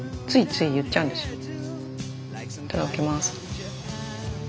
いただきます。